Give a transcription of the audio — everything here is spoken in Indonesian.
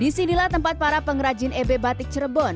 disinilah tempat para pengrajin ebe batik cirebon